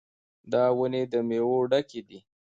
دا ونې د میوو ډکې دي.